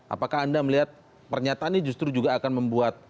apakah anda melihat pernyataan ini justru juga akan membuat